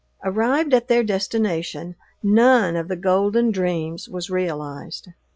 Arrived at their destination none of the golden dreams was realized.